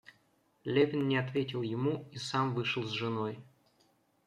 Левин не ответил ему и сам вышел с женой.